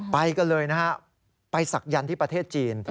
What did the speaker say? ไปกันเลยนะฮะไปศักยันต์ที่ประเทศจีน